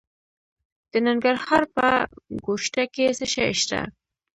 د ننګرهار په ګوشته کې څه شی شته؟